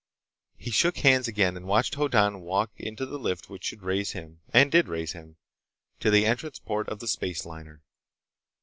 He shook hands again and watched Hoddan walk into the lift which should raise him—and did raise him—to the entrance port of the space liner.